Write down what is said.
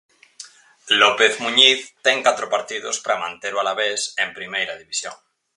López Muñiz ten catro partidos para manter o Alavés en Primeira División.